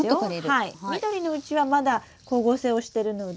緑のうちはまだ光合成をしてるので。